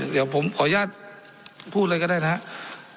เดี๋ยวผมขออนุญาตพูดเลยก็ได้นะครับ